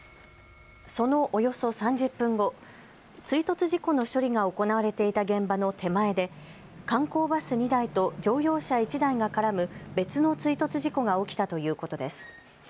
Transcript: そのおよそ３０分後、追突事故の処理が行われていた現場の手前で観光バス２台と乗用車１台が絡む別の追突事故が起きたということです。